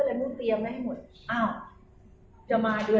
หรือเป็นอะไรที่คุณต้องการให้ดู